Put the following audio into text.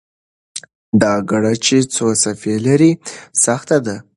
دا ګړه چې څو څپې لري، سخته ده.